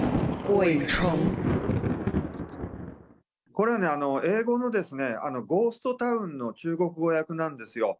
これは、英語のですね、ゴーストタウンの中国語訳なんですよ。